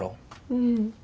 うん。